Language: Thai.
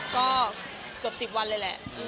ก็เกือบ๑๐วันเลยแหละ